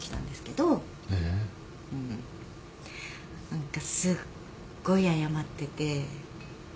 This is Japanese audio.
何かすっごい謝ってて。